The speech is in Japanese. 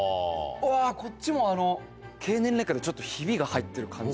うわこっちもあの経年劣化でちょっとヒビが入ってる感じ